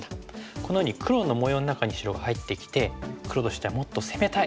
このように黒の模様の中に白が入ってきて黒としてはもっと攻めたい。